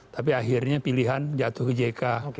tapi akhirnya pilihan jatuh ke jk